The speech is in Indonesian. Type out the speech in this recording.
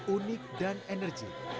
unik dan energi